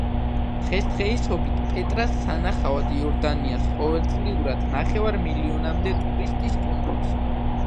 დღესდღეობით პეტრას სანახავად იორდანიას ყოველწიურად ნახევარ მილიონამდე ტურისტი სტუმრობს.